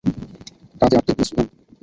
কাজে আটকে গিয়েছিলাম।